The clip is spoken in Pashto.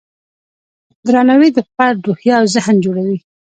درناوی د فرد روحیه او ذهن جوړوي.